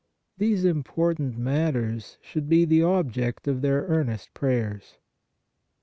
These important matters should be the object of their earnest prayers. 2.